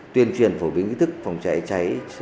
tuyên truyền phổ biến kỹ thức phòng cháy cháy